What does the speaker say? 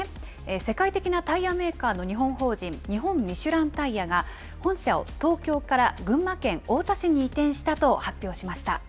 世界的なタイヤメーカーの日本法人日本ミシュランタイヤが、本社を東京から群馬県太田市に移転したと発表しました。